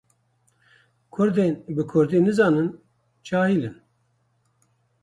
Kurdên bi kurdî nizanin, cahil in.